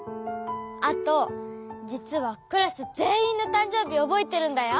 あとじつはクラスぜんいんのたんじょうびをおぼえてるんだよ。